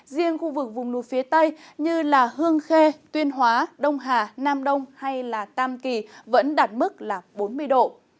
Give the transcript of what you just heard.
riêng khu vực vùng núi phía tây như hương khê tuyên hóa đông hà nam đông hay tam kỳ vẫn đạt mức là bốn mươi độ